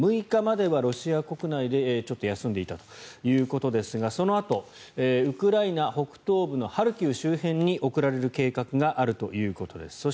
６日まではロシア国内でちょっと休んでいたということですがそのあと、ウクライナ北東部のハルキウ周辺に送られる計画があるということです。